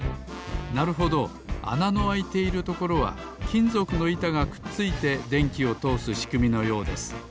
なるほどあなのあいているところはきんぞくのいたがくっついてでんきをとおすしくみのようです。